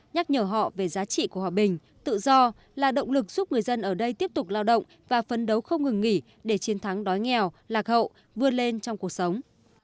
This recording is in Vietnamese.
nhắc nhở họ về giá trị của hòa bình tự do là động lực giúp người dân ở đây tiếp tục lao động và phấn đấu không ngừng nghỉ để chiến thắng đói nghèo lạc hậu vươn lên trong cuộc sống